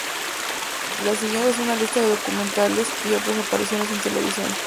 La siguiente es una lista de documentales y otras apariciones en televisión.